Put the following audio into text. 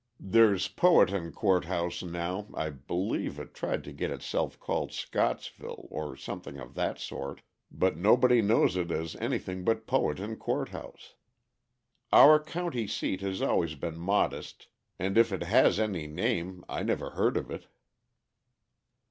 There's Powhatan Court House now, I believe it tried to get itself called 'Scottsville,' or something of that sort, but nobody knows it as anything but Powhatan Court House. Our county seat has always been modest, and if it has any name I never heard of it."